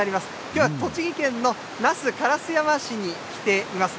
では、栃木県の那須烏山市に来ています。